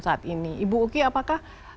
saat ini ibu uki apakah